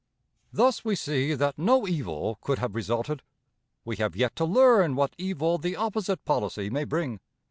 Thus we see that no evil could have resulted. We have yet to learn what evil the opposite policy may bring.